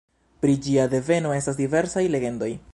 Pri ĝia deveno estas diversaj legendoj.